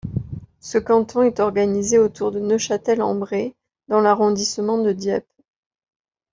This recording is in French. Ce canton est organisé autour de Neufchâtel-en-Bray dans l'arrondissement de Dieppe.